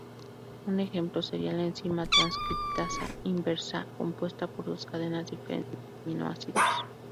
Un ejemplo sería la enzima transcriptasa inversa, compuesta por dos cadenas diferentes de aminoácidos.